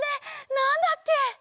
なんだっけ？